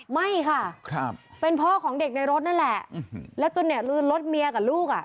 ไม่ค่ะเป็นพ่อของเด็กในรถนั่นแหละแล้วจนเนี่ยลืนรถเมียกับลูกอ่ะ